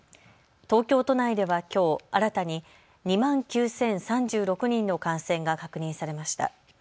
東京都内ではきょう新たに２万９０３６人の感染が確認されました。